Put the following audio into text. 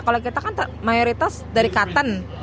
kalau kita kan mayoritas dari katen